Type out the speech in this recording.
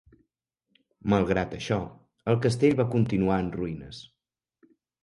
Malgrat això, el castell va continuar en ruïnes.